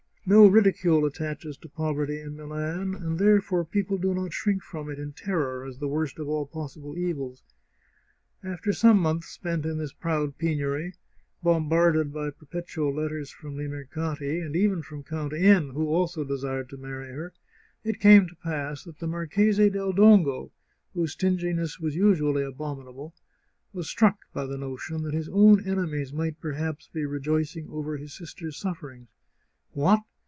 No ridicule attaches to poverty in Milan, and therefore people do not shrink from it in terror, as the worst of all possible evils. After some months spent in this proud penury, bombarded by perpetual letters from Limer cati, and even from Count N , who also desired to marry her, it came to pass that the Marchese del Dongo, whose stinginess was usually abominable, was struck by the no tion that his own enemies might perhaps be rejoicing over his sister's sufferings. What